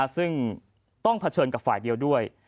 ซึ่งต้องเผชิญกับฝ่ายเดียวด้วย